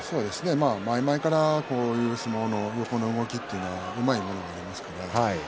前々からこういう相撲の横の動きはうまいものがあります。